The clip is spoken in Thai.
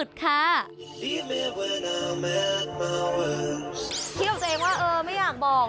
คิดกับตัวเองว่าเออไม่อยากบอก